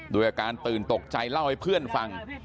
ด้วยอาการตื่นตกใจเล่าให้เพื่อนฟัง